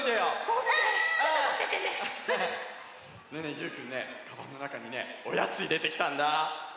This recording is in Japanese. ゆうくんねかばんのなかにねおやついれてきたんだ。